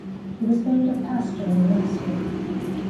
He was made a pastor in Alassio.